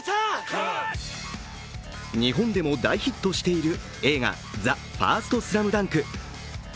日本でも大ヒットしている映画「ＴＨＥＦＩＲＳＴＳＬＡＭＤＵＮＫ」。